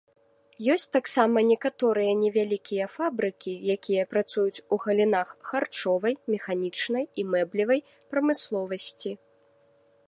Ёсць таксама некаторыя невялікія фабрыкі, якія працуюць у галінах харчовай, механічнай і мэблевай прамысловасці.